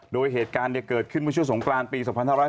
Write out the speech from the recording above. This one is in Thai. โดยเหตุการณ์เกิดขึ้นวันชั่วสงกรานปี๒๐๑๙